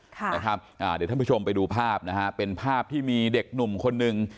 เดี๋ยวท่านผู้ชมไปดูภาพนะฮะเป็นภาพที่มีเด็กหนุ่มคนหนึ่ง